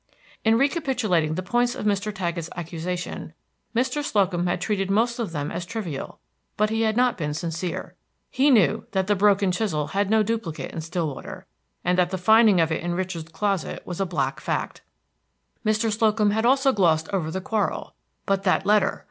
In recapitulating the points of Mr. Taggett's accusation, Mr. Slocum had treated most of them as trivial; but he had not been sincere. He knew that that broken chisel had no duplicate in Stillwater, and that the finding of it in Richard's closet was a black fact. Mr. Slocum had also glossed over the quarrel; but that letter!